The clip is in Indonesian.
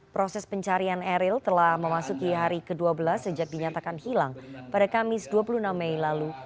proses pencarian eril telah memasuki hari ke dua belas sejak dinyatakan hilang pada kamis dua puluh enam mei lalu